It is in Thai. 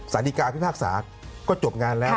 สดิกาเอาพิพากษาก็จบงานแล้ว